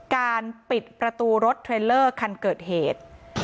การปิดประตูรถเทรลเลอร์คันเกิดเหตุ